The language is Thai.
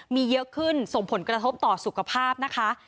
มีเยอะขึ้นส่งผลกระทบต่อสุขภาพนะคะ